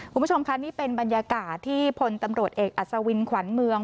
คุณผู้ชมค่ะนี่เป็นบรรยากาศที่พลตำรวจเอกอัศวินขวัญเมือง